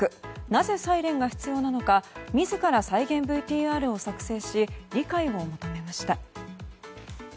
なぜサイレンが必要なのか自ら再現ＶＴＲを作成し理解を求めました。